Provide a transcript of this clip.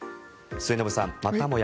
末延さん、またもや